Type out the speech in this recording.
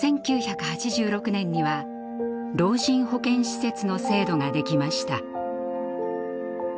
１９８６年には「老人保健施設」の制度ができました。